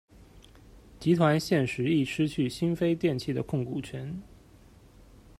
集团现时亦失去新飞电器的控股权。